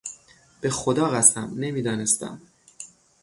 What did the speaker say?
به خدا قسم، نمیدانستم!